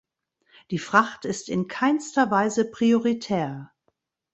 Die Fracht ist in keinster Weise prioritär.